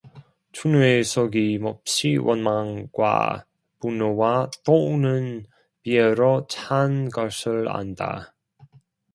춘우의 속이 몹시 원망과 분노와 또는 비애로 찬 것을 안다.